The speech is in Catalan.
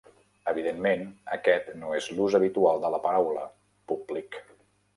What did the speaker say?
Evidentment, aquest no és l'ús habitual de la paraula, públic.